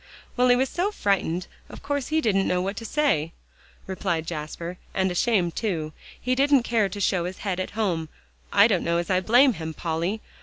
"Well, he was so frightened, of course he didn't know what to say," replied Jasper. "And ashamed, too. He didn't care to show his head at home. I don't know as I blame him, Polly.